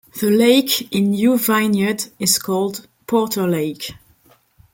The Lake in New Vineyard is called Porter Lake.